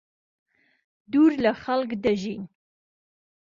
دوور لەخەڵک دەژین.